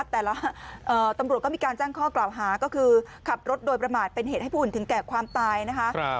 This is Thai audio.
แต่ละตำรวจก็มีการแจ้งข้อกล่าวหาก็คือขับรถโดยประมาทเป็นเหตุให้ผู้อื่นถึงแก่ความตายนะคะ